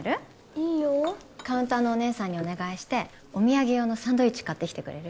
いいよカウンターのお姉さんにお願いしてお土産用のサンドイッチ買ってきてくれる？